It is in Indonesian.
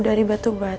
jauh dari batu bata